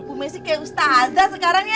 bu messi kayak ustaz sekarang ya